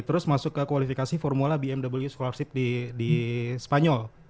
terus masuk ke kualifikasi formula bmw scholarship di spanyol